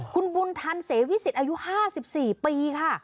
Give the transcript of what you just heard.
คุณบุญทันเสวิสิตอายุ๕๔ปีค่ะ